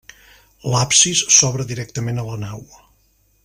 L'absis s'obre directament a la nau.